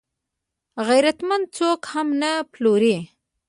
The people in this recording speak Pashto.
غیرتمند څوک هم نه پلوري